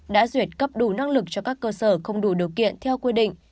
đã duyệt cấp đủ năng lực cho các cơ sở không đủ điều kiện theo quy định